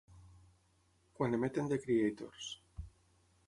Quan emeten The Creators